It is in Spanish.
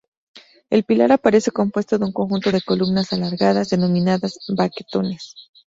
El pilar aparece compuesto de un conjunto de columnas alargadas, denominadas baquetones.